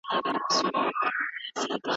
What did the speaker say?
بدې خبري مه کوئ.